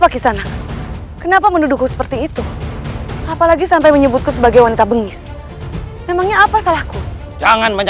kisah niana obat i stand by